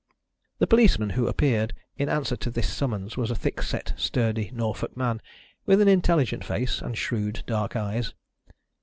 The policeman who appeared in answer to this summons was a thickset sturdy Norfolk man, with an intelligent face and shrewd dark eyes.